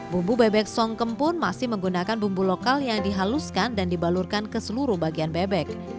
bumbu bebek songkem pun masih menggunakan bumbu lokal yang dihaluskan dan dibalurkan ke seluruh bagian bebek